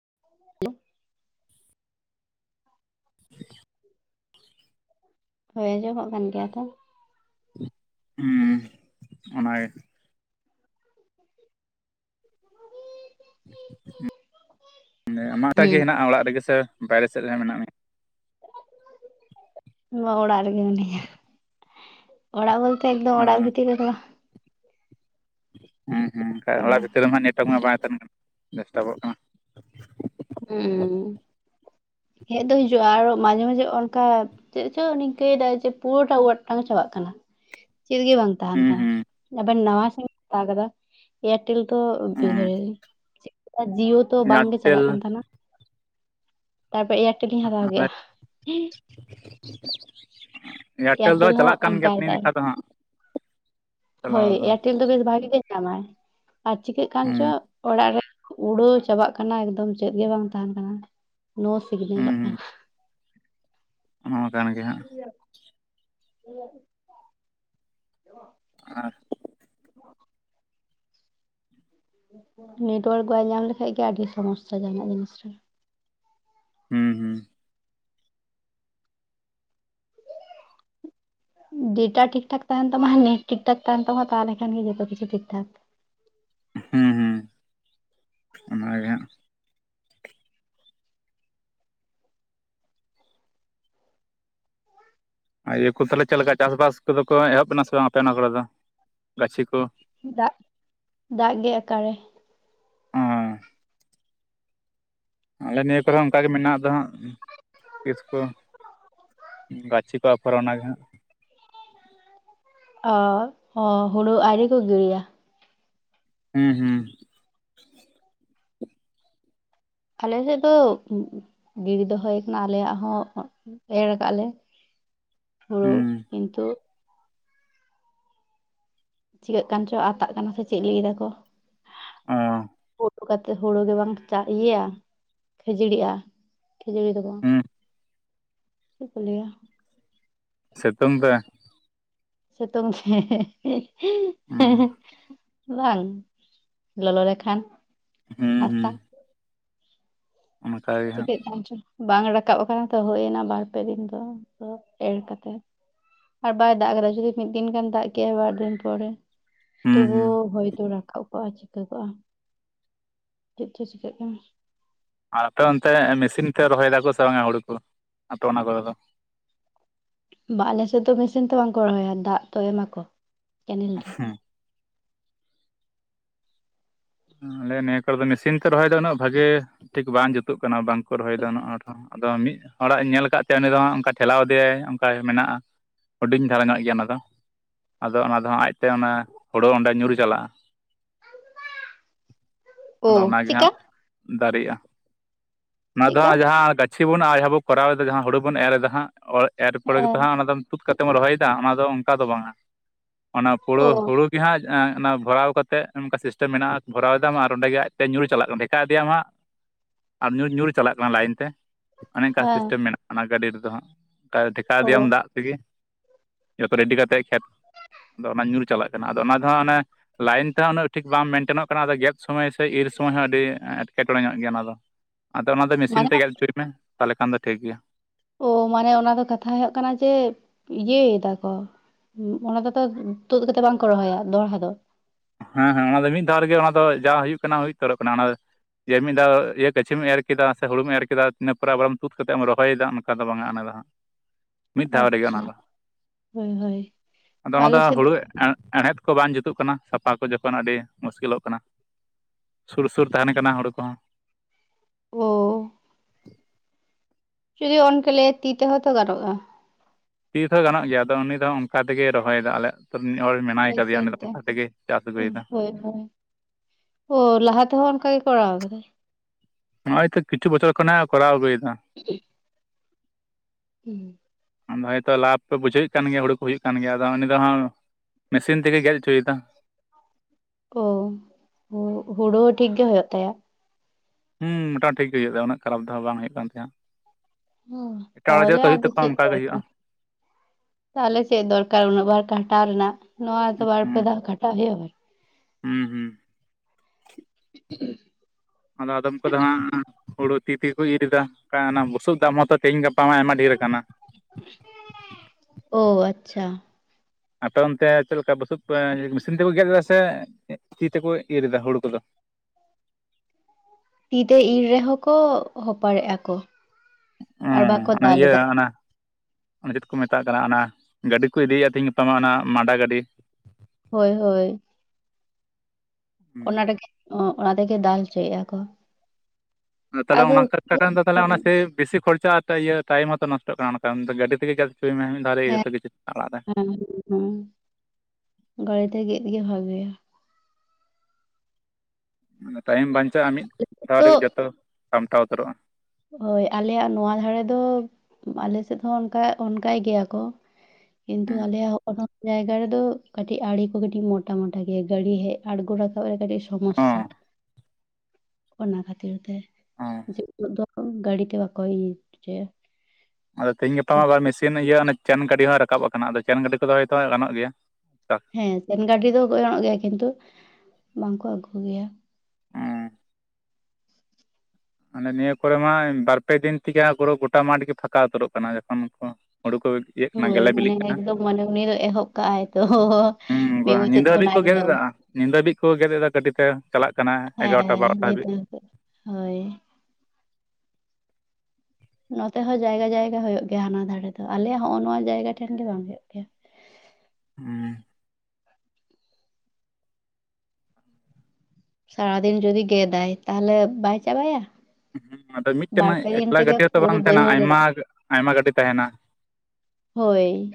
[inaudible] ᱦᱩᱭ ᱚᱡᱚᱜᱚᱜ ᱠᱟᱱ ᱜᱮᱭᱟ ᱛᱚ? ᱦᱩᱸ ᱚᱱᱟᱜᱮ᱾ [unintelligible] ᱟᱢᱟᱜ ᱴᱟᱜ ᱜᱮ ᱦᱩᱸ᱾ ᱦᱮᱱᱟᱜᱼᱟ ᱚᱲᱟᱜ ᱨᱮᱜᱮ ᱥᱮ ᱵᱟᱭᱨᱮ ᱥᱮᱫ ᱨᱮ ᱢᱮᱱᱟᱜ ᱢᱮᱭᱟ? ᱚᱲᱟᱜ ᱨᱮᱜᱮ ᱢᱱᱟᱹᱧᱟ᱾ ᱚᱲᱟᱜ ᱵᱚᱞᱛᱮ ᱮᱠᱫᱚᱢ ᱚ ᱚᱲᱟᱜ ᱵᱷᱤᱛᱤᱨ ᱨᱮᱫᱚ ᱵᱟᱝ᱾ ᱦᱩᱸ ᱦᱩᱸ ᱠᱷᱟᱜ ᱛᱷᱚᱲᱟ ᱚᱲᱟᱜ ᱵᱷᱤᱛᱤᱨ ᱨᱮ ᱦᱟᱸᱜ ᱱᱮᱴᱣᱟᱨᱠ ᱟᱨ ᱢᱟ ᱵᱟᱭ ᱛᱟᱸᱦᱮᱱ ᱠᱟᱱᱟ ᱰᱮᱥᱛᱚ ᱠᱚᱜ ᱠᱟᱱᱟ। ᱦᱩᱸ ᱦᱮᱡ ᱫᱚ ᱦᱤᱡᱩᱜᱼᱟ ᱟᱨᱚ ᱼᱼ ᱢᱟᱡᱷᱮ ᱢᱟᱡᱷᱮ ᱚᱱᱠᱟ ᱪᱮᱫ ᱪᱚ ᱱᱤᱝ ᱠᱟᱹᱭ ᱮᱫᱟ ᱡᱮ ᱯᱩᱨᱟ ᱴᱟᱣᱟᱨ ᱚᱴᱟᱝ ᱪᱟᱵᱟᱜ ᱠᱟᱱᱟ। ᱪᱮᱫ ᱜᱮ ᱵᱟᱝ ᱛᱟᱸᱦᱮᱱ ᱦᱩᱸ ᱠᱟᱱᱟ ᱦᱩᱸ ᱟᱵᱟᱨ ᱱᱟᱣᱟ ᱥᱤᱢᱤᱧ ᱦᱟᱛᱟᱣ ᱠᱟᱫᱟ। ᱮᱭᱟᱨᱴᱮᱞ ᱛᱚ ᱦᱩᱸ [unintelligible] ᱟᱨ ᱡᱤᱭᱳ ᱛᱚ ᱵᱟᱝ ᱜᱮ ᱮᱭᱟᱨᱴᱮᱞ ᱪᱟᱞᱟᱜ ᱠᱟᱱᱟ। ᱛᱟᱨᱯᱚᱨᱮ ᱮᱭᱟᱨᱴᱮᱞ ᱤᱧ ᱦᱟᱛᱟᱣ ᱠᱮᱜᱼᱟ। ᱫᱚ ᱮᱭᱟᱨᱴᱮᱞ ᱪᱟᱞᱟᱜ ᱦᱚᱸ ᱠᱟᱱ ᱚᱱᱠᱟ ᱜᱮᱭᱟ ᱱᱤᱭᱟᱹ ᱭᱮᱫᱟᱭ। ᱞᱮᱠᱟ ᱫᱚ ᱦᱟᱸᱜ ᱦᱳᱭ ᱮᱭᱟᱨᱴᱮᱞ ᱫᱚ ᱵᱮᱥ ᱵᱷᱟᱜᱤ ᱜᱮ ᱧᱟᱢᱟᱭ ᱟᱨ ᱪᱤᱠᱟᱹᱜ ᱠᱟᱱ ᱦᱩᱸ ᱪᱚ ᱚᱲᱟᱜ ᱨᱮ ᱩᱲᱟᱹᱣ ᱪᱟᱵᱟᱜ ᱠᱟᱱᱟ ᱮᱠᱫᱚᱢ ᱪᱮᱫ ᱜᱮ ᱵᱟᱝ ᱛᱟᱸᱦᱮᱱ ᱠᱟᱱᱟ ᱱᱚ ᱥᱤᱜᱱᱮᱞᱚᱜ ᱠᱟᱱᱟ। ᱦᱚᱸ ᱠᱟᱱ ᱜᱮ ᱦᱟᱸᱜ [unintelligible] [unintelligible] ᱟᱨ [inaudible] ᱱᱮᱴᱳᱣᱟᱨᱠ ᱵᱟᱭ ᱧᱟᱢ ᱞᱮᱠᱷᱟᱡ ᱜᱮ ᱟᱹᱰᱤ ᱥᱚᱢᱚᱥᱥᱟ ᱡᱟᱦᱟᱱᱟᱜ ᱡᱤᱱᱤᱥ ᱨᱮ। ᱦᱩᱸ ᱦᱩᱸ ᱰᱮᱴᱟ ᱴᱷᱤᱠ ᱴᱷᱟᱠ ᱛᱟᱦᱮᱱ ᱛᱟᱢᱟ ᱱᱮᱴ ᱴᱷᱤᱠ ᱴᱷᱟᱠ ᱛᱟᱦᱮᱱ ᱛᱟᱢ ᱛᱟᱦᱟᱞᱮ ᱠᱷᱟᱱ ᱜᱮ ᱡᱚᱛᱚ ᱠᱤᱪᱷᱩ ᱴᱷᱤᱠ ᱴᱷᱟᱠ। ᱦᱮᱸ ᱦᱮᱸ ᱚᱱᱟᱜᱮ ᱦᱟᱸᱜ। ᱟᱨ ᱤᱭᱟᱹ ᱠᱚ ᱛᱟᱦᱟᱞᱮ ᱪᱮᱫ ᱞᱮᱠᱟ? ᱪᱟᱥᱵᱟᱥ ᱠᱚᱫᱚ ᱠᱚ ᱮᱦᱚᱵ ᱵᱮᱱᱟ ᱥᱮ ᱵᱟᱝ ᱟᱯᱮ ᱚᱱᱟ ᱠᱚᱨᱮ ᱫᱚ ᱜᱟᱹᱪᱷᱤ ᱠᱚ? ᱫᱟᱜ ᱫᱟᱜ ᱜᱮ ᱚᱠᱟᱨᱮ? ᱚ ᱟᱞᱮ ᱱᱤᱭᱟᱹ ᱠᱚᱨᱮ ᱦᱚᱸ ᱚᱱᱠᱟᱜ ᱜᱮ ᱢᱮᱱᱟᱜ ᱫᱚ ᱦᱟᱸᱜ ᱛᱤᱥ ᱠᱚ ᱼᱼ ᱜᱟᱹᱪᱷᱤ ᱠᱚ ᱟᱯᱷᱚᱨᱟ ᱚᱱᱟᱜᱮ ᱦᱟᱸᱜ। ᱚ ᱦᱚ ᱦᱩᱲᱩ ᱟᱣᱨᱤ ᱠᱚ ᱜᱤᱲᱤᱭᱟ। ᱦᱩᱸ ᱦᱩᱸ ᱟᱞᱮ ᱥᱮᱫ ᱫᱚ ᱜᱤᱲᱤ ᱫᱚ ᱦᱚᱭ ᱠᱟᱱᱟ ᱟᱞᱮᱭᱟᱜ ᱦᱚᱸ ᱮᱲ ᱠᱟᱜ ᱞᱮ ᱦᱩᱲᱩ ᱦᱩᱸ ᱠᱤᱱᱛᱩ ᱪᱤᱠᱟᱹᱜ ᱠᱟᱱ ᱪᱚ ᱟᱛᱟᱜ ᱠᱟᱱᱟ ᱥᱮ ᱪᱮᱫ ᱞᱟᱹᱭ ᱫᱟ ᱠᱚ। ᱚ ᱚᱠᱟᱛᱮ ᱦᱩᱲᱳ ᱜᱮᱵᱟᱝ ᱪᱟᱜ ᱤᱭᱟᱹᱭᱟ ᱠᱷᱟᱹᱡᱟᱲᱤᱜᱼᱟ ᱠᱷᱟᱡᱲᱤ ᱫᱚ ᱵᱟᱝ ᱦᱩᱸ ᱪᱮᱫ ᱠᱚ ᱞᱟᱭᱟᱹ ᱥᱤᱛᱩᱝ ᱛᱮ ᱥᱤᱛᱩᱝ ᱛᱮ ᱦᱩᱸ ᱵᱟᱝ ᱞᱚᱞᱚ ᱞᱮᱠᱷᱟᱱ ᱦᱩᱸ ᱦᱟᱥᱟ ᱦᱩᱸ ᱚᱱᱠᱟ ᱜᱮ ᱦᱟᱸᱜ ᱪᱤᱠᱟᱹᱜ ᱠᱟᱱ ᱪᱚ ᱵᱟᱝ ᱨᱟᱠᱟᱵ ᱟᱠᱟᱱᱟ ᱛᱚ ᱦᱩᱭ ᱮᱱᱟ ᱵᱟᱨᱯᱮ ᱫᱤᱱ ᱫᱚ ᱮᱲ ᱠᱟᱛᱮᱫ ᱟᱨ ᱵᱟᱭ ᱫᱟᱜᱽ ᱠᱮᱫᱟ ᱡᱩᱫᱤ ᱢᱤᱫ ᱫᱤᱱ ᱜᱟᱱ ᱫᱟᱜᱽ ᱠᱟᱭᱟᱭ ᱵᱟᱨ ᱫᱤᱱ ᱯᱚᱨᱮ ᱦᱩᱸ ᱛᱚᱵᱩ ᱦᱩᱸ ᱦᱚᱭᱛᱚ ᱨᱟᱠᱟᱵ ᱠᱚᱜᱼᱟ ᱪᱤᱠᱟᱹᱜ ᱠᱚᱜᱼᱟ ᱪᱮᱫ ᱪᱚ ᱪᱤᱠᱟᱹᱜ ᱠᱟᱱᱟ ᱟᱨ ᱟᱯᱮ ᱚᱱᱛᱮ ᱢᱮᱥᱤᱱ ᱛᱮ ᱨᱚᱦᱚᱭ ᱫᱟ ᱠᱚ ᱥᱮ ᱵᱟᱝᱼᱟ ᱦᱩᱲᱩ ᱠᱚ ᱟᱯᱮ ᱚᱱᱟ ᱠᱚᱨᱮ ᱫᱚ ᱵᱟᱝ ᱟᱞᱮᱥᱮᱱ ᱫᱚ ᱢᱮᱥᱤᱱ ᱛᱮ ᱵᱟᱝᱠᱚ ᱨᱚᱦᱚᱭᱟ ᱫᱟᱜᱽ ᱛᱚ ᱮᱢᱟᱠᱚ ᱠᱮᱱᱮᱞ ᱨᱮ ᱦᱩᱸ ᱟᱞᱮ ᱱᱤᱭᱟᱹ ᱠᱚᱨᱮ ᱫᱚ ᱢᱮᱥᱤᱱ ᱛᱮ ᱨᱚᱦᱚᱭ ᱫᱚ ᱩᱱᱟᱹᱜ ᱵᱷᱟᱜᱤ ᱴᱷᱤᱠ ᱵᱟᱝ ᱡᱩᱛᱩᱜ ᱠᱟᱱᱟ ᱵᱟᱝᱠᱚ ᱨᱚᱦᱚᱭᱮᱫᱟ ᱩᱱᱟᱹᱜ [unintelligible] ᱟᱫᱚ ᱢᱤᱫ ᱦᱚᱲᱟᱜ ᱧᱮᱞ ᱟᱠᱟᱫ ᱛᱟᱭᱟ ᱩᱱᱤ ᱫᱚ ᱚᱱᱠᱟ ᱴᱷᱮᱞᱟᱣ ᱟᱫᱮᱟᱭ ᱚᱱᱠᱟ ᱢᱮᱱᱟᱜᱼᱟ ᱦᱩᱰᱤᱧ ᱫᱷᱟᱨᱟ ᱧᱚᱜ ᱜᱮᱭᱟ ᱚᱱᱟ ᱫᱚ ᱟᱫᱚ ᱚᱱᱟ ᱫᱚ ᱟᱡᱛᱮ ᱚᱱᱟ ᱦᱩᱲᱳ ᱚᱸᱰᱮ ᱧᱩᱨ ᱪᱟᱞᱟᱜᱼᱟ᱾ ᱟᱫᱚ ᱳ ᱚᱱᱟ ᱜᱮ ᱪᱮᱫᱠᱟ ᱦᱟᱸᱜ ᱫᱟᱨᱮᱜᱼᱟ᱾ ᱚᱱᱟ ᱫᱚ ᱪᱮᱫᱠᱟ ᱦᱟᱸᱜ ᱡᱟᱦᱟᱸ ᱜᱟᱹᱪᱷᱤ ᱵᱚᱱ ᱡᱟᱦᱟᱸ ᱵᱚᱱ ᱠᱚᱨᱟᱣ ᱮᱫᱟ ᱡᱟᱦᱟᱸ ᱦᱩᱲᱩ ᱵᱚᱱ ᱮᱨ ᱮᱫᱟ ᱦᱟᱸᱜ ᱮᱨ ᱯᱚᱨᱮ ᱜᱮᱛᱚ ᱦᱮᱸ ᱦᱟᱸᱜ ᱚᱱᱟ ᱫᱚ ᱛᱩᱫ ᱠᱟᱛᱮᱢ ᱨᱚᱦᱚᱭᱮᱫᱟ ᱚᱱᱟ ᱫᱚ ᱚᱱᱠᱟ ᱫᱚ ᱵᱟᱝᱟ ᱚᱱᱟ ᱳ ᱯᱩᱲᱟ ᱦᱩᱲᱩ ᱜᱮ ᱦᱟᱸᱜ ᱚᱱᱟ ᱵᱷᱚᱨᱟᱣ ᱠᱟ ᱠᱟᱛᱮᱫ ᱚᱱᱠᱟ ᱥᱤᱥᱴᱮᱢ ᱢᱮᱱᱟᱜᱼᱟ ᱵᱷᱚᱨᱟᱣ ᱫᱟᱢ ᱟᱨ ᱚᱸᱰᱮ ᱜᱮ ᱟᱡᱛᱮ ᱧᱩᱨ ᱪᱟᱞᱟᱜ ᱠᱟᱱᱟ ᱰᱷᱮᱠᱟ ᱤᱫᱤᱭᱟᱢ ᱦᱟᱸᱜ ᱟᱨ ᱧᱩᱨ ᱧᱩᱨ ᱪᱟᱞᱟᱜ ᱠᱟᱱᱟ ᱞᱟᱭᱤᱱ ᱛᱮ ᱚᱱᱮ ᱚᱱᱠᱟ ᱦᱮᱸ ᱥᱤᱥᱴᱮᱢ ᱢᱮᱱᱟᱜᱼᱟ ᱚᱱᱟ ᱜᱟᱹᱰᱤ ᱨᱮᱫᱚ ᱦᱟᱸᱜ ᱴᱷᱮᱠᱟᱣ ᱳ ᱤᱫᱤᱭᱟᱢ ᱫᱟᱜᱽ ᱛᱮᱜᱮ ᱡᱚᱛᱚ ᱨᱮᱰᱤ ᱠᱟᱛᱮᱫ ᱠᱷᱮᱛ ᱟᱫᱚ ᱚᱱᱟ ᱧᱩᱨ ᱪᱟᱞᱟᱜ ᱠᱟᱱᱟ ᱟᱫᱚ ᱚᱱᱟ ᱫᱚ ᱦᱟᱸᱜ ‌ ᱚᱱᱮ ᱞᱟᱭᱤᱱ ᱛᱮᱦᱚᱸ ᱩᱱᱟᱹᱜ ᱴᱷᱤᱠ ᱵᱟᱝ ᱢᱮᱱᱴᱮᱱᱚᱜ ᱠᱟᱱᱟ ᱟᱫᱚ ᱜᱮᱫ ᱥᱚᱢᱚᱭ ᱥᱮ ᱤᱨ ᱥᱚᱢᱚᱭ ᱦᱚᱸ ᱟᱹᱰᱤ ᱮᱴᱠᱮᱴᱚᱬᱮ ᱧᱚᱜ ᱜᱮᱭᱟ ᱚᱱᱟ ᱫᱚ ᱟᱫᱚ ᱚᱱᱟᱫᱚ ᱢᱮᱥᱤᱱ ᱢᱟᱱᱮ ᱛᱮ ᱜᱮᱫ ᱚᱪᱚᱭ ᱢᱮ ᱛᱟᱦᱚᱞᱮ ᱠᱷᱟᱱ ᱫᱚ ᱴᱷᱤᱠ ᱜᱮᱭᱟ ᱚ ᱢᱟᱱᱮ ᱚᱱᱟ ᱫᱚ ᱠᱟᱛᱷᱟ ᱦᱩᱭᱩᱜ ᱠᱟᱱᱟ ᱡᱮ ᱤᱭᱟᱹᱭ ᱫᱟᱠᱚ ᱚᱱᱟ ᱫᱚᱛᱚ ᱛᱩᱫ ᱠᱟᱛᱮᱜ ᱵᱟᱝᱠᱚ ᱲᱚᱦᱚᱭᱟ ᱫᱚᱲᱦᱟ ᱫᱚ ᱦᱮᱸ ᱦᱮᱸ ᱚᱱᱟ ᱫᱚ ᱢᱤᱫ ᱫᱷᱟᱣ ᱨᱮᱜᱮ ᱚᱱᱟ ᱫᱚ ᱡᱟ ᱦᱩᱭᱩᱜ ᱠᱟᱱᱟ ᱦᱩᱭ ᱩᱛᱟᱹᱨᱚᱜ ᱠᱟᱱᱟ ᱚᱱᱟ ᱡᱮ ᱢᱤᱫ ᱫᱷᱟᱣ ᱤᱭᱟᱹ ᱜᱟᱹᱪᱷᱤᱢ ᱮᱨ ᱠᱮᱫᱟ ᱥᱮ ᱦᱩᱲᱩᱢ ᱮᱨ ᱠᱮᱫᱟ ᱤᱱᱟᱹ ᱯᱚᱨᱮ ᱟᱵᱟᱨᱮᱢ ᱛᱩᱫ ᱠᱟᱛᱮᱢ ᱨᱚᱦᱚᱭᱮᱫᱟ ᱚᱱᱠᱟ ᱫᱚ ᱵᱟᱝᱼᱟ ᱚᱱᱟ ᱫᱚ ᱢᱤᱫ ᱫᱷᱟᱣ ᱨᱮᱜᱮ ᱟᱪᱪᱷᱟ ᱚᱱᱟ ᱫᱚ ᱦᱳᱭ ᱦᱳᱭ ᱟᱞᱮ ᱥᱮᱫ ᱫᱚ ᱮᱲᱦᱮᱸᱫ ᱠᱚ ᱵᱟᱝ ᱡᱩᱛᱩᱜ ᱠᱟᱱᱟ᱾ ᱚᱠᱟ ᱠᱚ ᱡᱚᱠᱷᱚᱱ ᱟᱹᱰᱤ ᱢᱩᱥᱠᱤᱞᱚᱜ ᱠᱟᱱᱟ ᱥᱩᱨ ᱥᱩᱨ ᱛᱟᱦᱮᱱ ᱠᱟᱱᱟ ᱦᱩᱲᱩ ᱠᱚᱦᱚᱸ ᱳ ᱡᱩᱫᱤ ᱚᱱᱠᱮᱞᱮ ᱛᱤ ᱛᱮᱦᱚᱸ ᱛᱚ ᱜᱟᱱᱚᱜᱼᱟ᱾ ᱛᱤᱛᱮᱦᱚᱸ ᱜᱟᱱᱚᱜ ᱜᱮᱭᱟ ᱟᱫᱚ ᱩᱱᱤ ᱫᱚ ᱚᱱᱠᱟ ᱛᱮᱜᱮᱭ ᱨᱚᱦᱚᱭᱮᱫᱟ ᱟᱞᱮᱭᱟᱜ ᱛᱚ ᱢᱤᱫ ᱦᱚᱲ ᱢᱮᱱᱟᱭ ᱟᱠᱟᱫᱮᱭᱟ ᱢᱮᱥᱤᱱ ᱩᱱᱤ ᱫᱚ ᱛᱮ ᱚᱱᱠᱟ ᱛᱮᱜᱮ ᱪᱟᱥ ᱟᱹᱜᱩᱭᱮᱫᱟ᱾ ᱦᱳᱭ ᱦᱳᱭ ᱳ ᱞᱟᱦᱟ ᱛᱮᱦᱚᱸ ᱚᱱᱠᱟ ᱜᱮ ᱠᱚᱨᱟᱣ ᱠᱟᱫᱟᱭ᱾ ᱱᱚᱜᱼᱚᱭ ᱛᱚ ᱠᱤᱪᱩ ᱵᱚᱪᱷᱚᱨ ᱠᱷᱚᱱᱟᱜ ᱠᱚᱨᱟᱣ ᱟᱜᱩ [unintelligible] ᱦᱩᱸ ᱟᱫᱚ ᱦᱚᱭᱛᱚ ᱞᱟᱵᱷ ᱯᱮ ᱵᱩᱡᱷᱟᱹᱣᱮᱫ ᱠᱟᱱ ᱜᱮᱭᱟ ᱦᱩᱲᱩ ᱠᱚ ᱦᱩᱭᱩᱜ ᱠᱟᱱ ᱜᱮᱭᱟ ᱟᱫᱚ ᱩᱱᱤ ᱫᱚ ᱦᱟᱸᱜ ᱢᱮᱥᱤᱱ ᱛᱮᱜᱮ ᱜᱮᱫ ᱚᱪᱚᱭᱮᱫᱟ᱾ ᱳᱸ ᱦᱩᱲᱩ ᱴᱷᱤᱠ ᱜᱮ ᱦᱩᱭᱩᱜ ᱛᱟᱭᱟ᱾ ᱦᱩᱸ ᱢᱳᱴᱟᱢᱩᱴᱤ ᱴᱷᱤᱠ ᱜᱮ ᱦᱩᱭᱩᱜ ᱛᱟᱭᱟ ᱩᱱᱟᱹᱜ ᱠᱷᱟᱨᱟᱯ ᱫᱚ ᱵᱟᱝ ᱦᱩᱭᱩᱜ ᱠᱟᱱ ᱛᱟᱭᱟ ᱳ ᱮᱴᱟᱜ ᱦᱚᱲᱟᱜ ᱪᱮᱫ ᱛᱟᱦᱚᱞᱮ ᱞᱮᱠᱟ ᱦᱩᱭᱩᱜ ᱟᱫᱚ ᱛᱟᱠᱚᱣᱟ ᱪᱮᱫ ᱚᱱᱠᱟ ᱜᱮ ᱫᱚᱨᱠᱟ ᱦᱩᱭᱩᱜᱼᱟ ᱛᱟᱦᱚᱞᱮ ᱪᱮᱫ ᱫᱚᱨᱠᱟᱨ ᱩᱱᱟᱹᱜ ᱵᱟᱨ ᱠᱷᱟᱴᱟᱣ ᱨᱮᱱᱟᱜ ᱱᱚᱣᱟ ᱫᱚ ᱵᱟᱨᱯᱮ ᱦᱩᱸ ᱫᱷᱟᱣ ᱠᱷᱟᱴᱟᱣ ᱦᱩᱭᱩᱜᱼᱟ ᱾ ᱦᱩᱸ ᱦᱩᱸ ᱦᱩᱸ [inaudible] ᱟᱫᱚ ᱟᱫᱚᱢ ᱠᱚᱫᱚ ᱦᱟᱸᱜ ᱦᱩᱲᱩ ᱛᱤ ᱛᱤ ᱠᱩ ᱤᱨ ᱮᱫᱟ ᱚᱱᱟ ᱵᱩᱥᱩᱵ ᱫᱟᱢ ᱦᱚᱸᱛᱚ [unintelligible] ᱛᱮᱦᱮᱧ ᱜᱟᱯᱟ ᱢᱟ ᱟᱭᱢᱟ ᱰᱮᱨ ᱟᱠᱟᱱᱟ᱾ ᱳ ᱟᱪᱪᱷᱟ᱾ ᱟᱯᱮ ᱚᱱᱛᱮ ᱪᱮᱫ ᱞᱮᱠᱟ ᱵᱩᱥᱩᱵ ᱯᱮ ᱢᱮᱥᱤᱱ ᱛᱮᱠᱚ ᱜᱮᱫ ᱮᱫᱟ ᱥᱮ ᱛᱤ ᱛᱮᱠᱚ ᱤᱨ ᱮᱫᱟ ᱦᱩᱲᱩ ᱠᱚᱫᱚ? ᱛᱤ ᱛᱮ ᱤᱨ ᱨᱮᱦᱚᱸ ᱠᱚ ᱦᱚᱯᱟᱨᱮᱜᱼᱟ ᱠᱚ᱾ ᱟᱨ ᱩᱸ ᱵᱟᱠᱚ ᱚᱱᱮ ᱫᱟᱞ ᱤᱭᱟᱹ ᱮᱫᱟ ᱟᱱᱟ ᱚᱱᱮ ᱪᱮᱫ ᱠᱚ ᱢᱮᱛᱟᱜ ᱠᱟᱱᱟ ᱚᱱᱟ ᱜᱟᱹᱰᱤ ᱠᱚ ᱤᱫᱤᱭᱮᱫ ᱛᱤᱧ ᱜᱟᱯᱟᱢᱟ ᱚᱱᱟ ᱢᱟᱰᱟ ᱜᱟᱹᱰᱤ? ᱦᱳᱭ ᱦᱳᱭ, ᱚᱱᱟ ᱨᱮᱜᱮ ᱚᱱᱟ ᱛᱮᱜᱮ ᱫᱟᱞ ᱪᱚᱭᱮᱜᱼᱟ ᱠᱚ᱾ ᱛᱟᱦᱚᱞᱮ ᱟᱫᱚ ᱚᱱᱟ ᱚᱱᱟ ᱵᱮᱥᱤ ᱠᱷᱚᱨᱪᱟ [unintelligible] [unintelligible] ᱤᱭᱟᱹ ᱴᱟᱭᱤᱢ ᱦᱚᱸᱛᱚ ᱱᱚᱥᱴᱚᱜ ᱠᱟᱱᱟ ᱚᱱᱠᱟ ᱜᱟᱹᱰᱤ ᱛᱮᱜᱮ ᱜᱮᱫ ᱦᱚᱪᱚᱭ ᱢᱮ ᱢᱤᱫᱷᱟᱣ ᱡᱚᱛ ᱠᱤᱪᱷᱩᱟᱜ ᱟᱟᱜᱫᱟ [inaudible] ᱦᱩᱸ ᱦᱩᱸ ᱜᱟᱹᱲᱤᱛᱮ ᱜᱮᱫ ᱜᱮ ᱵᱷᱟᱜᱮᱭᱟ᱾ ᱴᱟᱭᱤᱢ ᱵᱟᱧᱪᱟᱜᱼᱟ ᱢᱤᱫ ᱫᱷᱟᱣ ᱛᱚ ᱨᱮ ᱡᱚᱛᱚ ᱥᱟᱢᱴᱟᱣ ᱩᱛᱟᱹᱨᱚᱜᱼᱟ᱾ ᱦᱳᱭ ᱟᱞᱮᱭᱟᱜ ᱱᱚᱣᱟ ᱫᱷᱟᱨᱮ ᱫᱚ ᱟᱞᱮ ᱥᱮᱫ ᱦᱚᱸ ᱚᱱᱠᱟ ᱚᱱᱠᱟᱭ ᱜᱮᱭᱟ ᱠᱚ᱾ ᱠᱤᱱᱛᱩ ᱦᱮᱸ ᱟᱞᱮᱭᱟᱜ [inaudible] ᱡᱟᱭᱜᱟ ᱨᱮᱫᱚ ᱠᱟᱹᱴᱤᱡ ᱟᱲᱮ ᱠᱚ ᱠᱟᱹᱴᱤᱡ ᱢᱚᱴᱟ ᱢᱚᱴᱟ ᱜᱮᱭᱟ ᱜᱟᱹᱲᱤ ᱦᱮᱡ ᱟᱲᱜᱚ ᱨᱟᱠᱟᱵ ᱨᱮ ᱠᱟᱹᱴᱤᱡ ᱥ ᱥᱚᱢᱚᱥᱥᱟ ᱦᱚᱸ ᱚᱱᱟ ᱠᱷᱟᱹᱛᱤᱨ ᱛᱮ ᱦᱚᱸ ᱡᱮ ᱩ ᱫᱚ ᱜᱟᱹᱲᱤᱛᱮ ᱵᱟᱠᱚ ᱤᱨ ᱪᱚᱭᱟ᱾ ᱟᱫᱚ ᱛᱤᱦᱤᱧ ᱜᱟᱯᱟ ᱟᱵᱟᱨ ᱢᱮᱥᱤᱱ ᱤᱭᱟᱹ ᱚᱱᱮ ᱪᱮᱱ ᱜᱟᱹᱰᱤ ᱦᱚᱸ ᱨᱟᱠᱟᱵ ᱟᱠᱟᱱᱟ, ᱟᱫᱚ ᱪᱮᱱ ᱜᱟᱹᱰᱤ ᱠᱚᱫᱚ ᱦᱚᱭᱛᱳ ᱜᱟᱱᱚᱜ ᱜᱮᱭᱟ᱾ ᱴᱨᱟᱠ ᱦᱮᱸ ᱪᱮᱱ ᱜᱟᱹᱰᱤ ᱫᱚ ᱜᱚᱡᱱᱚᱜ ᱜᱮᱭᱟ ᱠᱤᱱᱛᱩ ᱵᱟᱝᱠᱚ ᱟᱹᱜᱩ ᱜᱮᱭᱟ᱾ ᱚᱱᱮ ᱱᱤᱭᱟᱹ ᱠᱚᱨᱮ ᱢᱟ ᱵᱟᱨᱯᱮ ᱫᱤᱱ ᱛᱮᱜᱮ ᱯᱳᱨᱳ ᱜᱚᱴᱟ ᱢᱟᱴ ᱜᱮ ᱯᱷᱟᱠᱟ ᱩᱛᱟᱹᱨᱚᱜ ᱠᱟᱱᱟ ᱡᱚᱠᱷᱚᱱ ᱚᱸ ᱩᱰᱩᱠᱩᱡ [unintelligible] ᱦᱳᱭ ᱢᱟᱱᱮ ᱮᱠᱫᱚᱢ ᱢᱟᱱᱮ ᱩᱱᱤ ᱫᱚ ᱮᱦᱚᱵ ᱠᱟᱜᱼ ᱟᱭ ᱛᱚ ᱦᱚ-ᱦᱚ ᱢᱤᱜ ᱦᱩᱸ ᱢᱩᱪᱟᱹᱫ ᱧᱤᱫᱟᱹ ᱦᱟᱹᱵᱤᱡ ᱠᱷᱚᱱᱟᱜ ᱠᱚ ᱜᱮᱫ ᱮᱠᱫᱚᱢ᱾ ᱮᱫᱟ ᱧᱤᱫᱟᱹ ᱵᱤᱡ ᱠᱚ ᱜᱮᱫ ᱮᱫᱟ ᱜᱟᱹᱰᱤ ᱛᱮ ᱪᱟᱞᱟᱜ ᱠᱟᱱᱟ ᱮᱜᱟᱨᱚᱴᱟ ᱦᱮᱸ ᱵᱟᱨᱚᱴᱟ ᱦᱟᱹᱵᱤᱡ᱾ ᱧᱤᱫᱟᱹ ᱦᱳᱭ᱾ ᱱᱚᱛᱮ ᱦᱚᱸ ᱡᱟᱭᱜᱟ ᱡᱟᱭᱜᱟ ᱦᱳᱭᱳᱜ ᱜᱮᱭᱟ ᱦᱟᱱᱟ ᱫᱷᱟᱨᱮ ᱫᱚ ᱟᱞᱮᱭᱟᱜ ᱱᱚᱜᱼᱚ ᱱᱚᱣᱟ ᱡᱟᱭᱜᱟ ᱴᱷᱮᱱ ᱜᱮ ᱵᱟᱝ ᱦᱳᱭᱳᱜ ᱜᱮᱭᱟ᱾ ᱦᱩᱸ᱾ ᱥᱟᱨᱟ ᱫᱤᱱ ᱡᱩᱫᱤ ᱜᱮᱫᱟᱭ ᱛᱟᱦᱚᱞᱮ ᱵᱟᱭ ᱪᱟᱵᱟᱭᱟ᱾ ᱦᱳᱸᱜ ᱳᱸ ᱟᱫᱚ ᱢᱤᱫᱴᱮᱱ ᱢᱟ ᱵᱟᱨᱯᱮ ᱫᱤᱱ ᱮᱠᱞᱟ ᱛᱮᱜᱮ ᱜᱟᱹᱰᱤ ᱦᱚᱸᱛᱚ ᱵᱟᱝ ᱯᱩᱨᱟᱹ ᱛᱟᱦᱮᱱᱟ ᱵᱟᱹᱭᱦᱟᱹᱲ ᱟᱭᱢᱟ ᱨᱮᱱᱟᱜ ᱟᱭᱢᱟ ᱜᱟᱹᱰᱤ ᱛᱟᱦᱮᱱᱟ᱾ ᱦᱳᱭ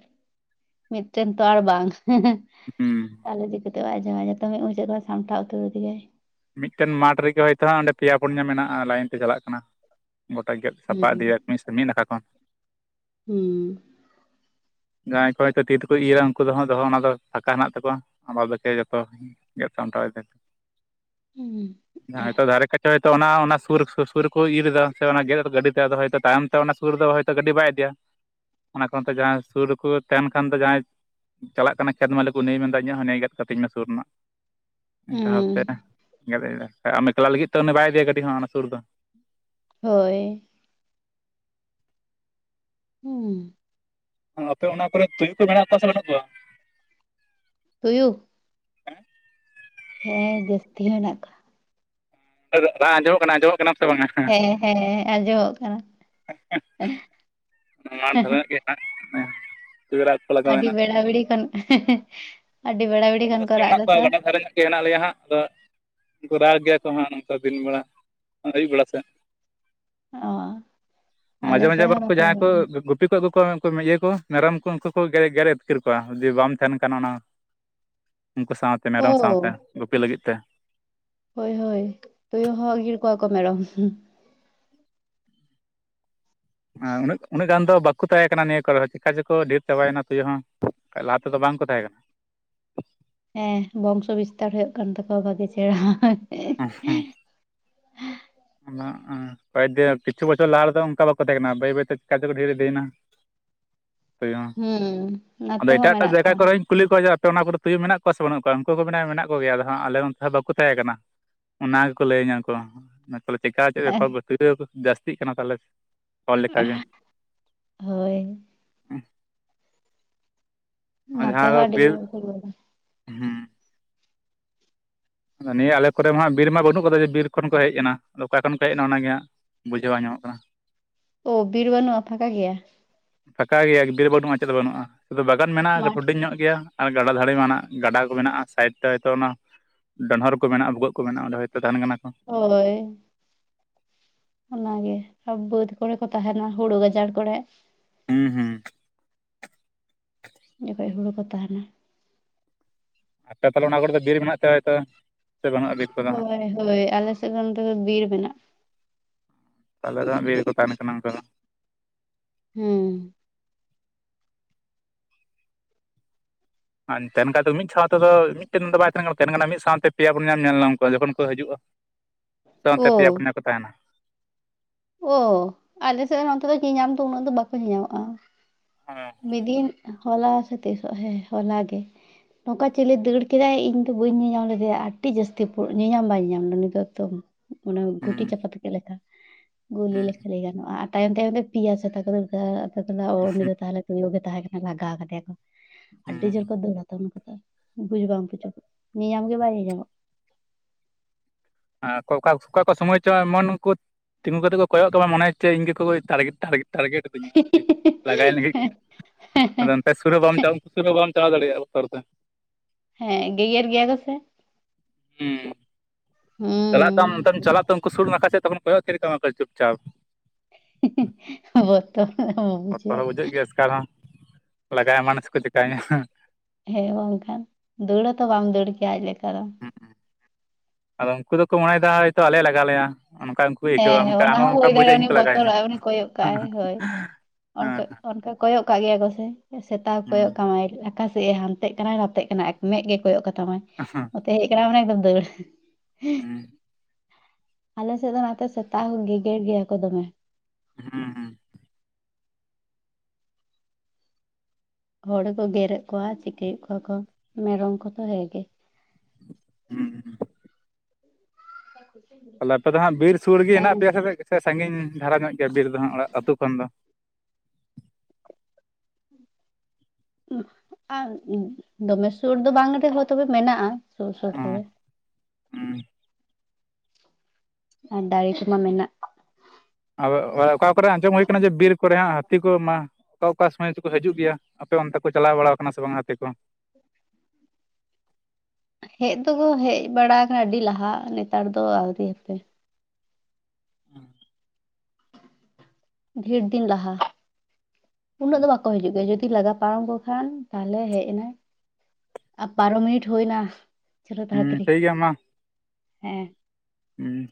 ᱢᱤᱫᱴᱮᱱ ᱛᱚ ᱟᱨ ᱵᱟᱝ ᱦᱮᱸ ᱦᱮᱸ᱾ ᱦᱩᱸ᱾ ᱛᱟᱦᱚᱞᱮᱤᱫᱤᱮᱫ ᱵᱟᱭ ᱟᱡᱸᱚᱢᱟ ᱡᱚᱛᱚᱢᱮ ᱩᱱᱤᱡᱮᱫ ᱠᱚ ᱥᱟᱴᱟᱣᱛᱟᱹᱨ ᱠᱮᱫᱮᱟᱭ [unintelligible] ᱢᱤᱫᱴᱮᱱ ᱢᱟᱴᱷ ᱨᱮᱜᱮ ᱦᱳᱭᱛᱳ ᱚᱸᱰᱮ ᱯᱮᱭᱟ ᱯᱩᱱᱭᱟᱹ ᱢᱮᱱᱟᱜᱼᱟ ᱞᱟᱭᱤᱱ ᱛᱮ ᱪᱟᱞᱟᱜ ᱠᱟᱱᱟ᱾ ᱜᱚᱴᱟ ᱜᱮᱫ ᱥᱟᱯᱟ ᱦᱩᱸ ᱤᱫᱤᱭᱟ ᱢᱤᱥ ᱢᱤᱫ ᱱᱟᱠᱷᱟ ᱠᱷᱚᱱ᱾ ᱦᱩᱸ᱾ ᱡᱟᱦᱟᱸᱭ ᱠᱚᱭ ᱠᱚ ᱛᱤ ᱛᱮᱠᱚ ᱤᱨᱟ ᱩᱱᱠᱩ ᱫᱚ ᱫᱚᱦᱚ ᱚᱱᱟ ᱫᱚ ᱯᱷᱟᱸᱠᱟ ᱦᱮᱱᱟᱜ ᱛᱟᱠᱚᱣᱟ ᱟ ᱫᱚᱠᱮ ᱡᱚᱛᱚ [unintelligible] [inaudible] ᱜᱮᱫ ᱥᱟᱢᱴᱟᱣᱚ ᱦᱩᱸ ᱫᱟᱨᱮ ᱠᱟᱪ ᱛᱚ ᱚᱱᱟ ᱚᱱᱟ ᱥᱩᱨ ᱥᱩᱨ ᱠᱚ ᱤᱨᱮᱫᱟ ᱥᱮ ᱚᱱᱟ ᱜᱮᱫ ᱜᱟᱹᱰᱤᱮᱫᱟ ᱟᱫᱚ ᱛᱟᱭᱚᱢ ᱛᱮ ᱚᱱᱟ ᱥᱩᱨ ᱨᱮᱫᱚ ᱦᱚᱭᱛ ᱜᱟᱹᱰᱤ ᱵᱟᱭ ᱤᱫᱤᱭᱟ [unintelligible] ᱚᱱᱟ ᱠᱟᱨᱚᱱᱛᱮ ᱡᱟᱦᱟᱸᱭ ᱥᱩᱨ ᱨᱮᱠᱚ ᱛᱟᱦᱮᱱ ᱠᱷᱟᱱ ᱫᱚ ᱡᱟᱦᱟᱸᱭ [unintelligible] ᱪᱟᱞᱟᱜ ᱠᱟᱱᱟ ᱠᱷᱮᱛ ᱢᱟᱹᱞᱤᱠ ᱩᱱᱤᱭ ᱢᱮᱱᱫᱟ ᱤᱧᱟᱹᱜ ᱦᱚᱸ ᱱᱮᱭ ᱜᱮᱫ ᱠᱟᱹᱛᱤᱧ ᱢᱮ ᱥᱩᱨ ᱨᱮᱱᱟᱜ᱾ [inaudible] ᱚᱱᱠᱟ ᱦᱩᱸ ᱵᱷᱟᱵᱛᱮ ᱜᱟ ᱢᱮᱠᱞᱟ ᱞᱟᱹᱜᱤᱫ ᱛᱮ ᱩᱱᱤ ᱵᱟᱭ ᱤᱫᱮᱤᱭᱟ ᱠᱟᱹᱴᱤᱡ ᱦᱚᱸ ᱚᱱᱟ ᱥᱩᱨ ᱫᱚ ᱦᱳᱭ᱾ ᱦᱩᱸ᱾ ᱟᱸ ᱟᱯᱮ ᱚᱱᱟ ᱠᱚᱨᱮ ᱛᱩᱭᱩ ᱠᱚ ᱢᱮᱱᱟᱜ ᱠᱚᱣᱟ ᱥᱮ ᱵᱟᱹᱱᱩᱜ ᱠᱚᱣᱟ? ᱛᱩᱭᱩ? ᱦᱮᱸ ᱡᱟᱹᱥᱛᱤ ᱦᱮᱸᱱᱟᱜ ᱠᱚᱣᱟ᱾ ᱨᱟᱜ ᱟᱡᱸᱡᱚᱢᱚᱜ ᱠᱟᱱᱟ ᱟᱡᱸᱡᱚᱢᱚᱜ ᱠᱟᱱᱟ ᱥᱮ ᱵᱟᱝᱟ! ᱦᱮᱸ ᱦᱮᱸ ᱟᱸᱡᱚᱢᱚᱜ ᱠᱟᱱᱟ ᱾ [unintelligible] ᱢᱟᱴ ᱫᱷᱟᱨᱮ ᱧᱚᱜ ᱜᱮᱭᱟ ᱦᱟᱸᱜ ᱛᱩᱭᱩ ᱨᱟᱜ ᱠᱚ ᱞᱟᱜᱟᱣ ᱟᱹᱰᱤ ᱮᱱᱟ ᱵᱮᱲᱟ ᱵᱮᱲᱤ ᱠᱷᱚᱱ [unintelligible] ᱟᱹᱰᱤ ᱵᱮᱲᱟ ᱵᱮᱲᱤ ᱟᱹᱰᱤ ᱠᱷᱚᱱ ᱠᱚ ᱡᱟᱹᱥᱛᱤ ᱨᱟᱜ ᱢᱮᱱᱟᱜᱮᱱᱟᱜ ᱮᱫᱟ ᱠᱚᱣᱟ ᱛᱚ ᱜᱟᱰᱟ ᱫᱷᱟᱨᱮ ᱧᱚᱜ ᱜᱮ ᱦᱮᱱᱟᱜ ᱞᱮᱭᱟ ᱦᱟᱸᱜ ᱟᱫᱚ ᱠᱩ ᱨᱟᱜ ᱜᱮᱭᱟ ᱠᱚ ᱦᱟᱸᱜ ᱱᱚᱝᱠᱟ ᱫᱤᱱ ᱵᱮᱲᱟ ᱟᱹᱭᱩᱵ ᱵᱮᱲᱟ ᱥᱮᱫ ᱾ ᱚ ᱢᱟᱡᱷᱮ ᱟᱞᱮ ᱢᱟᱡᱷᱮ ᱥᱮᱫ ᱦᱚᱸ ᱵᱟᱝᱠᱚ ᱱᱚᱛᱮ ᱡᱟᱦᱟᱸᱭ ᱠᱚ ᱜᱮ ᱜᱩᱯᱤ ᱠᱚ ᱟᱜᱩ ᱠᱚᱣᱟ ᱩᱱᱠᱩ ᱤᱭᱟᱹ ᱠᱚ ᱢᱮᱨᱚᱢ ᱠᱚ ᱩᱱᱠᱩ ᱠᱚ ᱜᱮ ᱜᱮᱨ ᱟᱹᱛᱠᱤᱨ ᱠᱚᱣᱟ ᱡᱩᱫᱤ ᱵᱟᱢ ᱛᱟᱦᱮᱱ ᱠᱷᱟᱱ ᱚᱱᱟ ᱩᱱᱠᱩ ᱥᱟᱶᱛᱮ ᱢᱮᱨᱚᱢ ᱥᱟᱶᱛᱮ ᱳ ᱜᱩᱯᱤ ᱞᱟᱹᱜᱤᱫ ᱛᱮ ᱾ ᱦᱳᱭ ᱦᱳᱭ ᱛᱩᱭᱩ ᱦᱚᱸ ᱟᱜᱤᱨ ᱠᱚᱣᱟ ᱠᱚ ᱢᱮᱨᱚᱢ ᱾ ᱦᱮᱸ ᱩ ᱩᱱᱟᱹᱜ ᱜᱟᱱ ᱫᱚ ᱵᱟᱠᱚ ᱛᱟᱦᱮᱸ ᱱᱤᱭᱟᱹ ᱠᱚᱨᱮ ᱦᱚᱸ ᱪᱤᱠᱟ ᱪᱮᱠᱚ ᱰᱷᱮᱨ ᱪᱟᱵᱟᱭᱱᱟ ᱛᱩᱭᱩ ᱦᱚᱸ ᱾ ᱞᱟᱦᱟ ᱛᱮᱫᱚ ᱵᱟᱝᱠᱚ ᱛᱟᱦᱮᱸ ᱠᱟᱱᱟ ᱾ ᱦᱮᱸ ᱵᱚᱝᱥᱚ ᱵᱤᱥᱛᱟᱨ ᱦᱩᱭᱩᱜ ᱠᱟᱱ ᱛᱟᱠᱚᱣᱟ ᱵᱷᱟᱜᱤ ᱪᱮᱨᱦᱟ ᱾ [unintelligible] ᱚᱱᱟ ᱠᱚᱭᱠ ᱫᱮ ᱠᱤᱪᱷᱩ ᱵᱚᱪᱷᱚᱨ ᱞᱟᱦᱟ ᱨᱮᱫᱚ ᱚᱱᱠᱟ ᱵᱟᱠᱚ ᱛᱟᱦᱮᱸ ᱠᱟᱱᱟ, ᱵᱟᱹᱭ ᱵᱟᱹᱭ ᱛᱮ ᱪᱤᱠᱟᱹ ᱪᱚᱠᱚ ᱰᱷᱮᱨ ᱤᱫᱤᱭᱮᱱᱟ ᱾ ᱦᱩᱸ ᱟᱫᱚ ᱱᱚᱛᱮ ᱦᱚ ᱮᱴᱟᱜ ᱮᱴᱟᱜ ᱢᱮᱱᱟᱜ ᱡᱟᱭᱜᱟ ᱠᱚᱣᱟ ᱾ ᱠᱚᱨᱮᱧ ᱠᱩᱞᱤ ᱠᱚᱣᱟ ᱡᱮ ᱟᱯᱮ ᱚᱱᱟ ᱠᱚᱨᱮ ᱛᱩᱭᱩ ᱢᱮᱱᱟᱜ ᱠᱚᱣᱟ ᱥᱮ ᱵᱟᱹᱱᱩᱜ ᱠᱚᱣᱟ ᱩᱱᱠᱩ ᱠᱚ ᱢᱮᱱᱟ ᱢᱮᱱᱟᱜ ᱠᱚᱜᱭᱟ ᱟᱫᱚ ᱦᱟᱸᱜ ᱟᱞᱮ ᱚᱱᱛᱮ ᱦᱚᱸ ᱵᱟᱠᱚ ᱛᱟᱦᱮᱸ ᱠᱟᱱᱟ ᱾ ᱚᱱᱟ ᱜᱮᱠᱚ ᱞᱟᱹᱭ ᱟᱹᱧᱟᱹ ᱩᱱᱠᱩ ᱦᱚ ᱾ ᱪᱮᱠᱟ ᱪᱮᱫ ᱵᱮᱯᱟᱨ ᱵᱟᱹᱭᱟᱹᱣ [unintelligible] ᱡᱟᱹᱥᱛᱤᱜ ᱠᱟᱱᱟ ᱠᱚ [unintelligible] ᱞᱮᱠᱟᱜᱮ ᱾ ᱦᱳᱭ ᱾ ᱟᱨ ᱱᱚᱛᱮ ᱡᱟᱦᱟᱸ ᱫᱚ ᱦᱚᱸ ᱟᱹᱰᱤ ᱵᱤᱨ, ᱡᱳᱨ ᱠᱚ ᱨᱩᱣᱟᱹᱲᱟ ᱦᱩᱸ ᱟᱫᱚ ᱱᱤᱭᱟᱹ ᱟᱞᱮ ᱠᱚᱨᱮ ᱢᱟ ᱦᱟᱸᱜ ᱵᱤᱨ ᱢᱟ ᱵᱟᱹᱱᱩᱜ ᱠᱟᱫᱟ ᱡᱮ ᱵᱤᱨ ᱠᱷᱚᱱ ᱠᱚ ᱦᱮᱡ ᱮᱱᱟ ᱟᱫᱚ ᱚᱠᱟ ᱠᱷᱚᱱ ᱠᱚ ᱦᱮᱡ ᱮᱱᱟ ᱚᱱᱟ ᱜᱮ ᱦᱟᱸᱜ ᱾ ᱵᱩᱡᱷᱟᱹᱣ ᱵᱟᱝ ᱧᱟᱢᱚᱜ ᱠᱟᱱᱟ ᱾ ᱚ ᱵᱤᱨ ᱵᱟᱱᱩᱜᱼᱟ ᱯᱷᱟᱸᱠᱟ ᱜᱮᱭᱟ ᱾ ᱯᱷᱟᱸᱠᱟ ᱜᱮᱭᱟ ᱮᱠ ᱵᱤᱨ ᱵᱟᱹᱱᱩᱜᱼᱟ ᱪᱮᱫ ᱦᱚ ᱵᱟᱹᱱᱩᱜᱼᱟ ᱥᱩᱫᱷᱩ ᱵᱟᱜᱟᱱ ᱢᱮᱱᱟᱜᱼᱟ ᱢᱟᱴᱷ ᱦᱩᱰᱤᱝ ᱧᱚᱜ ᱜᱮᱭᱟ ᱾ ᱟᱨ ᱜᱟᱰᱟ ᱫᱷᱟᱨᱮ ᱢᱟᱱᱟᱜ ᱜᱟᱰᱟ ᱠᱚ ᱢᱮᱱᱟᱜᱼᱟ ᱥᱟᱭᱤᱰ ᱛᱮ ᱦᱚᱭᱛᱚ ᱚᱱᱟ ᱰᱚᱸᱰᱷᱚᱨ ᱠᱚ ᱢᱮᱱᱟᱜᱼᱟ ᱵᱷᱩᱜᱟᱹᱜ ᱠᱚ ᱢᱮᱱᱟᱜᱼᱟ ᱚᱸᱰᱮ ᱦᱚᱳᱭᱛᱚ ᱛᱟᱦᱮᱱ ᱠᱟᱱᱟ ᱠᱚ ᱾ ᱦᱳᱭ ᱾ ᱚᱱᱟᱜᱮ, ᱟᱨ ᱵᱟᱹᱫᱽ ᱠᱚᱨᱮ ᱠᱚ ᱛᱟᱦᱮᱱᱟ ᱦᱳᱲᱳ ᱜᱟᱡᱟᱲ ᱠᱚᱨᱮ ᱾ ᱦᱩᱸ ᱦᱩᱸ ᱾ ᱡᱚᱠᱷᱚᱡ ᱦᱳᱲᱳ ᱠᱚ ᱛᱟᱦᱮᱱᱟ ᱾ ᱟᱯᱮ ᱛᱟᱦᱚᱞᱮ ᱚᱱᱟ ᱠᱚᱨᱮᱫ ᱫᱚ ᱵᱤᱨ ᱢᱮᱱᱟᱜ ᱛᱮ ᱦᱚᱭᱛᱚ, ᱥᱮ ᱵᱟᱹᱱᱩᱜᱼᱟ ᱵᱤᱨ? ᱠᱚᱫᱚ ᱦᱟᱸᱜ ᱦᱳᱭ ᱦᱳᱭ ᱟᱞᱮ ᱥᱮᱫ ᱱᱚᱱᱛᱮ ᱫᱚ ᱵᱤᱨ ᱢᱮᱱᱟᱜᱼᱟ᱾ ᱛᱟᱦᱚᱞᱮ ᱫᱚ ᱦᱟᱸᱜ ᱵᱤᱨ ᱨᱮ ᱠᱚ ᱛᱟᱦᱮᱱ ᱠᱟᱱᱟ ᱩᱱᱠᱟ ᱫᱚ ᱾ ᱦᱩᱸ ᱾ ᱛᱟᱦᱮᱱ ᱠᱷᱟᱱ ᱢᱤᱫ ᱥᱟᱶ ᱛᱮ ᱫᱚ ᱢᱤᱫᱴᱮᱱ ᱵᱟᱭ ᱛᱟᱦᱮᱱ ᱠᱟᱱᱟ, ᱛᱟᱦᱮᱱ ᱠᱟᱱᱟ ᱠᱚ ᱢᱤᱫ ᱥᱟᱶᱛᱮ ᱯᱮᱭᱟ ᱯᱚᱱᱭᱟ ᱧᱮᱞ ᱧᱟᱢ ᱠᱚᱣᱟ ᱡᱚᱠᱷᱚᱱ ᱠᱚ ᱦᱤᱡᱩᱜᱼᱟ ᱾ ᱥᱟᱶᱛᱮ ᱳ ᱛᱮ ᱯᱭᱟ ᱯᱚᱱᱭᱟ ᱠᱚ ᱛᱟᱦᱮᱱᱟ ᱾ ᱚᱻ ᱟᱞᱮᱥᱮᱫ ᱨᱮ ᱱᱚᱱᱚᱛᱮ ᱫᱚ ᱧᱮᱧᱟᱢ ᱫᱚ ᱩᱱᱟᱹᱜ ᱫᱚ ᱵᱟᱠᱚ ᱧᱮᱧᱟᱢᱚᱜᱼᱟ, ᱵᱤᱫᱤᱱ ᱦᱚᱞᱟ ᱥᱮ ᱛᱤᱥᱚᱜ ᱦᱮᱸ ᱦᱚᱞᱟ ᱜᱮ ᱾ ᱱᱚᱝᱠᱟ ᱪᱤᱞᱮ ᱫᱟᱹᱲ ᱠᱮᱫᱟᱭ ᱤᱧ ᱫᱚ ᱵᱟᱹᱧ ᱧᱮᱧᱟᱢ ᱞᱮᱫᱮᱭᱟ ᱟᱹᱰᱤ ᱡᱟᱹᱥᱛᱤ ᱯᱤ ᱧᱮᱧᱟᱢ ᱵᱟᱭ ᱧᱮ-ᱧᱟᱢ ᱞᱮᱱᱟ ᱫᱚᱠ ᱛᱚ ᱾ ᱚᱱᱟ ᱜᱷᱩᱴᱤ ᱦᱩᱸ ᱪᱟᱯᱟᱛ ᱠᱮᱫ ᱞᱮᱠᱟ ᱾ ᱜᱩᱞᱤ ᱦᱩᱸ ᱞᱮᱠᱷᱟ ᱞᱟᱹᱭ ᱜᱟᱱᱚᱜᱼᱟ ᱟᱨ ᱛᱟᱭᱚᱢ ᱛᱟᱭᱚᱢ ᱛᱮ ᱯᱮᱭᱟ ᱥᱮᱛᱟ ᱠᱚ ᱫᱚᱨ ᱠᱟᱫᱟ [unintelligible] ᱩᱱᱤ ᱫᱚ ᱛᱟᱦᱚᱞᱮ ᱛᱩᱭᱩ ᱜᱮ ᱛᱟᱦᱮᱸ ᱠᱟᱱᱟ ᱞᱟᱜᱟᱣ ᱠᱟᱫᱮᱭᱟ ᱠᱚ ᱟᱹᱰᱤ ᱦᱩᱸ ᱡᱳᱨ ᱠᱚ ᱫᱟᱹᱲ ᱟᱛᱚ ᱩᱱᱠᱩᱫᱚ ᱾ ᱵᱩᱡᱽ ᱵᱟᱝ ᱵᱩᱡᱩᱜᱚᱜ ᱧᱮ-ᱧᱟᱢ ᱜᱮ ᱵᱟᱭ ᱧᱮ-ᱧᱟᱢᱚᱜ ᱾ ᱟᱨ ᱚᱠᱟ ᱚᱠᱟ ᱠᱚ ᱥᱚᱢᱚᱭ ᱪᱚ ᱮᱢᱚᱱ ᱩᱱᱠᱩ ᱛᱤᱸᱜᱩ ᱠᱟᱛᱮ ᱠᱚᱭᱚᱜ ᱛᱟᱢᱟ ᱢᱚᱱᱮ ᱦᱚ ᱪᱮ ᱤᱧ ᱜᱮᱠᱚ ᱴᱟᱨᱜᱮᱴ ᱴᱟᱨᱜᱮᱴ ᱴᱟᱨᱜᱮᱴ ᱟᱹᱫᱤᱧᱟ ᱟᱨᱠᱤ ᱞᱟᱜᱟᱭ ᱞᱟᱹᱜᱤᱫ ᱟᱫᱚ ᱚᱱᱛᱮ ᱥᱩᱨ ᱦᱚ ᱵᱟᱢ ᱥᱩᱨᱟ ᱦᱚ ᱵᱟᱢ ᱪᱟᱞᱟᱣ ᱫᱟᱲᱮᱜᱼᱟ ᱵᱚᱛᱚᱨ ᱛᱮ ᱾ ᱦᱮᱸ ᱜᱮᱜᱮᱨ ᱜᱮᱭᱟ ᱠᱚ ᱥᱮ ᱾ ᱦᱮᱸ ᱦᱩᱸ ᱪᱟᱞᱟᱜ ᱛᱟᱢ ᱚᱱᱛᱮᱢ ᱪᱟᱞᱟᱜ ᱛᱚ ᱩᱱᱠᱩ ᱥᱩᱨ ᱱᱟᱠᱷᱟᱡ ᱥᱮ ᱛᱚᱠᱷᱚᱱ ᱠᱚᱭᱚᱜ ᱛᱷᱤᱨ ᱠᱟᱢᱟ ᱠᱚ ᱪᱩᱯ ᱪᱟᱯ ᱾ [unintelligible] ᱵᱚᱛᱚᱨ ᱮᱢ ᱵᱩᱡᱷᱟᱹᱣᱟ ᱾ ᱠᱟᱨᱚᱱ, ᱞᱟᱜᱟ ᱮᱢᱟᱱᱟ ᱥᱮ ᱠᱚ ᱪᱮᱠᱟᱹᱧᱟ ᱾ ᱦᱮᱸ ᱵᱟᱝᱠᱷᱟᱱ ᱫᱟᱹᱲ ᱦᱚᱛᱚ ᱵᱟᱢ ᱫᱟᱹᱲ ᱠᱮᱭᱟ ᱟᱡ ᱞᱮᱠᱟ ᱫᱚ ᱟᱫᱚ ᱩᱱᱠᱩ ᱫᱚᱠᱚ ᱢᱚᱱᱮᱭᱮᱫᱟ ᱦᱚᱭᱛᱚ ᱟᱞᱮ ᱞᱟᱜᱟ ᱞᱮᱭᱟ ᱚᱱᱠᱟ ᱠᱚ ᱟᱹᱭᱠᱟᱹᱣᱟ ᱦᱮᱸ ᱢᱮᱱᱠᱷᱟᱱ ᱟᱢ ᱚᱱᱟ ᱦᱚᱸ ᱚᱱᱠᱟᱢ ᱦᱳᱭ ᱵᱩᱡᱟ ᱫᱟᱲᱮᱭᱟᱜᱼᱟ ᱤᱧ ᱩᱱᱤ ᱠᱚ ᱞᱟᱜᱟᱭᱤᱧᱟ ᱵᱚᱛᱚᱨᱟᱜ ᱟᱭ ᱩᱱᱤ ᱠᱚᱭᱚᱜ ᱠᱟᱜᱼᱟᱭ ᱦᱳᱭ ᱚᱱᱠᱟ ᱚᱱᱠᱟ ᱠᱚᱭᱚᱜ ᱠᱟᱜ ᱜᱮᱭᱟ ᱠᱚᱥᱮ ᱥᱮᱛᱟ ᱦᱚᱸ ᱠᱚᱭᱚᱜ ᱠᱟᱢᱟᱭ ᱚᱠᱟᱥᱮᱫᱼ ᱮ ᱦᱟᱱᱛᱮᱜ ᱠᱟᱱᱟᱭ ᱱᱟᱛᱮᱜ ᱠᱟᱱᱟᱭ ᱮᱠ ᱢᱮᱜ ᱜᱮ ᱠᱚᱭᱚᱜ ᱠᱟᱛᱟᱢᱟᱭ ᱟᱸᱦᱟ ᱛᱮᱦᱮᱡ ᱠᱟᱱᱟ ᱢᱟᱱᱮ ᱫᱟᱹᱲ ᱟᱞᱮ ᱥᱮᱫ ᱫᱚ ᱱᱟ ᱥᱮᱛᱟᱜ ᱦᱚᱸ ᱜᱮᱜᱮᱨ ᱜᱮᱭᱟ ᱠᱚ ᱫᱚᱢᱮ ᱦᱮᱸ ᱦᱮᱸ ᱦᱚᱲᱠᱚ ᱜᱮᱨᱮᱫ ᱠᱚᱣᱟ ᱪᱤᱠᱟᱹᱭᱮᱫ ᱠᱚᱣᱟ ᱠᱚ ᱢᱮᱨᱚᱢ ᱠᱚᱫᱚ ᱦᱮᱸᱜᱮ ᱦᱩᱸ [unintelligible] ᱛᱟᱦᱚᱞᱮ ᱟᱯᱮ ᱫᱚ ᱦᱟᱸᱜ ᱵᱤᱨ ᱥᱩᱨ ᱜᱮ ᱦᱮᱸ ᱦᱮᱸᱱᱟᱜ ᱯᱮᱭᱟ ᱥᱮ ᱥᱮ ᱥᱟᱺᱜᱤᱧ ᱫᱷᱟᱨᱟ ᱧᱚᱜ ᱜᱮᱭᱟ ᱵᱤᱨ ᱫᱚ ᱦᱟᱸᱜ ᱚᱲᱟᱜ ᱟᱹᱛᱩ ᱠᱷᱚᱱ ᱫᱚ ᱟᱨ ᱫᱚᱢᱮ ᱥᱩᱨ ᱫᱚ ᱵᱟᱝ ᱨᱮᱦᱚᱸ ᱛᱚᱵᱮ ᱢᱮᱱᱟᱜᱼᱟ ᱥᱩᱨ ᱥᱩᱨ ᱨᱮᱜᱮ ᱦᱮᱸ ᱟᱨ ᱫᱟᱲᱮ ᱠᱚᱢᱟ ᱢᱮᱱᱟᱜ ᱟ ᱚᱠᱟ ᱠᱚᱨᱮ ᱟᱸᱡᱚᱢ ᱦᱳᱭ ᱠᱟᱱᱟ ᱡᱮ ᱵᱤᱨ ᱠᱚᱨᱮ ᱦᱟᱸᱜ ᱦᱟᱹᱛᱤ ᱠᱚ ᱢᱟ ᱚᱠᱟ ᱚᱠᱟ ᱥᱚᱢᱚᱭ ᱪᱚᱠᱚ ᱦᱤᱡᱩᱜ ᱜᱮᱭᱟ ᱟᱯᱮ ᱚᱱᱛᱮ ᱠᱚ ᱪᱟᱞᱟᱣ ᱵᱟᱲᱟᱣ ᱟᱠᱟᱱᱟ ᱥᱮ ᱵᱟᱝ ᱦᱟᱹᱛᱤ ᱠᱚ ᱦᱮᱡ ᱫᱚᱠᱚ ᱦᱮᱡ ᱵᱟᱲᱟ ᱟᱠᱟᱱᱟ ᱟᱹᱰᱤ ᱞᱟᱦᱟᱜ ᱱᱮᱛᱟᱨ ᱫᱚ ᱟᱹᱣᱨᱤ ᱦᱟᱯᱮ ᱦ [inaudible] ᱰᱷᱤᱲ ᱫᱤᱱ ᱞᱟᱦᱟ ᱩᱱᱟᱹᱜ ᱫᱚ ᱵᱟᱠᱚ ᱦᱤᱡᱩᱜ ᱜᱮᱭᱟ ᱡᱩᱫᱤ ᱞᱟᱜᱟ ᱯᱟᱨᱚᱢ ᱠᱚ ᱠᱷᱟᱱ ᱛᱟᱦᱚᱞᱮ ᱦᱮᱡ ᱮᱱᱟᱭ ᱟᱨ ᱵᱟᱨᱚ ᱢᱤᱱᱤᱴ ᱦᱩᱭᱱᱟ ᱪᱚᱞᱚ ᱦᱩᱸ ᱛᱟᱲᱟᱛᱟᱲᱤ ᱴᱷᱤᱠ ᱜᱮᱭᱟ ᱦᱮᱸ ᱦᱮᱸ